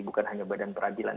bukan hanya badan peradilan